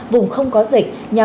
vùng không có dịch